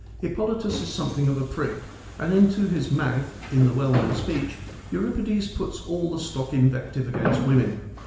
Hippolytus is something of a prig and into his mouth, in the well known speech, Euripides puts all the stock invective against women.